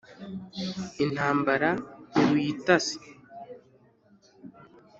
Intambara ntiruyitasi